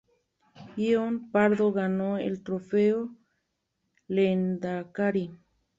Ion Pardo ganó el Trofeo Lehendakari.